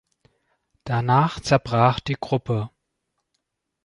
Danach zerbrach die Gruppe.